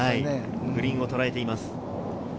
グリーンをとらえています。